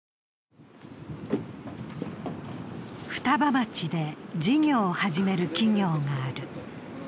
双葉町で事業を始める企業がある。